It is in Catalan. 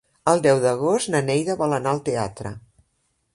El deu d'agost na Neida vol anar al teatre.